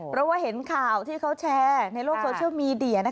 เพราะว่าเห็นข่าวที่เขาแชร์ในโลกโซเชียลมีเดีย